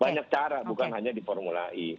banyak cara bukan hanya di formula e